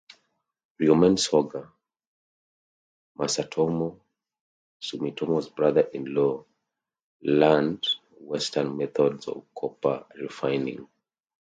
Riemon Soga, Masatomo Sumitomo's brother-in-law, learned Western methods of copper refining.